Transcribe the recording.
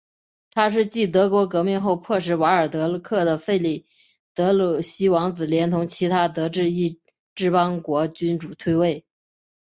它是继德国革命后迫使瓦尔德克的弗里德里希王子连同其他德意志邦国君主退位。